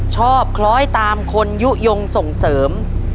คล้อยตามคนยุโยงส่งเสริม